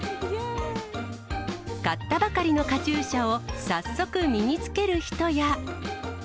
買ったばかりのカチューシャを早速身につける人や。